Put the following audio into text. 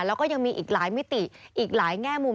แล้วก็ยังมีอีกหลายมิติอีกหลายแง่มุม